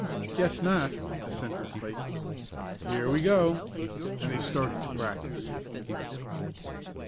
"Guess not," assented Spike. "Here we go." And they started to practice.